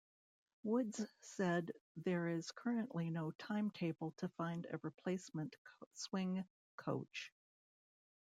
Woods said there is currently no timetable to find a replacement swing coach.